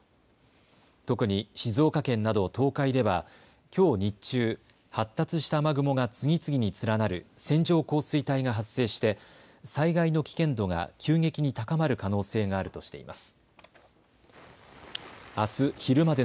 特に静岡県など東海ではきょう日中、発達した雨雲が次々に連なる線状降水帯が発生して災害の危険度が急激に高まる可能性があるとしています。